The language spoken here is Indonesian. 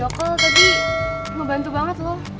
walaupun cuma lewat video call tadi ngebantu banget loh